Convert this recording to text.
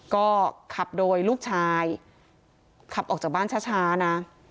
ก็ขับโดยลูกชายขับออกจากบ้านช้านะ